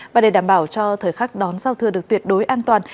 và để đảm bảo cho thời khắc đón giao thừa được tuyệt đối an toàn